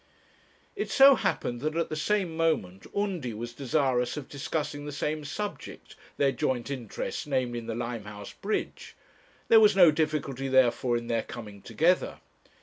It so happened that at the same moment Undy was desirous of discussing the same subject, their joint interest, namely, in the Limehouse bridge; there was no difficulty therefore in their coming together.